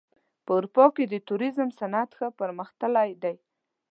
په اروپا کې د توریزم صنعت ښه پرمختللی دی.